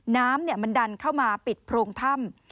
น้ำมันดันเข้ามาปิดโพรงถ้ำ